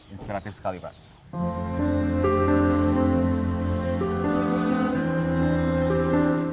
inspiratif sekali pak